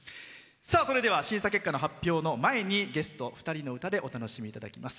それでは審査結果の発表の前にゲスト２人の歌でお楽しみいただきます。